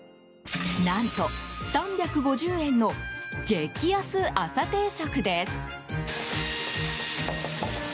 何と３５０円の激安朝定食です。